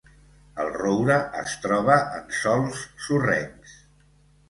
El roure es troba en sòls sorrencs.